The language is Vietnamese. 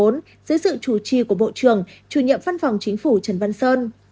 dưới sự chủ trì của bộ trưởng chủ nhiệm văn phòng chính phủ trần văn sơn